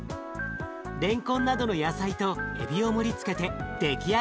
れんこんなどの野菜とえびを盛りつけて出来上がり。